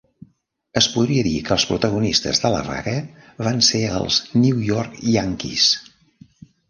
Es podria dir que els protagonistes de la vaga van ser els New York Yankees.